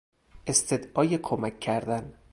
استدعای کمک کردن